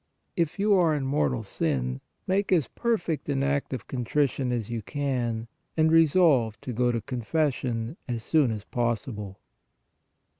(If you are in mortal sin, make as perfect an act of con WHEN TO PRAY 133 trition as you can and resolve to go to confession as soon as possible).